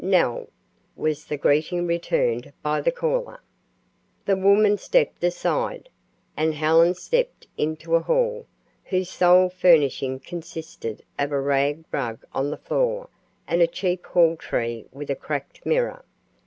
"Nell," was the greeting returned by the caller. The woman stepped aside, and Helen stepped into a hall, whose sole furnishing consisted of a rag rug on the floor and a cheap hall tree with a cracked mirror.